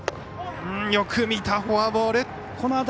よく見た、フォアボール。